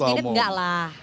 tapi last minute enggak lah